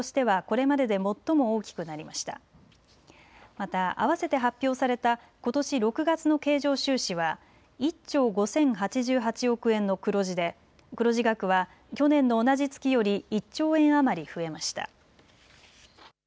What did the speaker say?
また、あわせて発表されたことし６月の経常収支は１兆５０８８億円の黒字で黒字額は去年の同じ月より１兆円余り増えました。